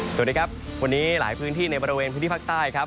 สวัสดีครับวันนี้หลายพื้นที่ในบริเวณพื้นที่ภาคใต้ครับ